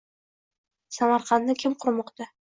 Samarqandni kim qurmoqda?